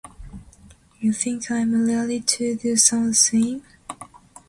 You think I'm likely to do the same?